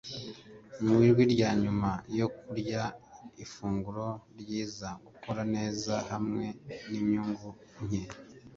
Mu ijwi rya nyuma yo kurya ifunguro ryiza gukora neza hamwe ninyungu nke